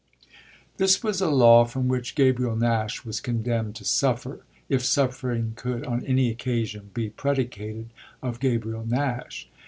This was a law from which Gabriel Nash was condemned to suffer, if suffering could on any occasion be predicated of Gabriel Nash.